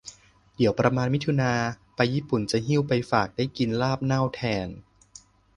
เดี๋ยวประมาณมิถุนาไปญี่ปุ่นจะหิ้วไปฝาก ได้กินลาบเน่าแทน